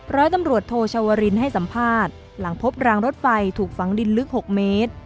ร้อยตำรวจโทชาวรินให้สัมภาษณ์หลังพบรางรถไฟถูกฝังดินลึก๖เมตร